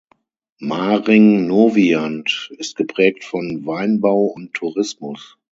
Maring-Noviand ist geprägt von Weinbau und Tourismus.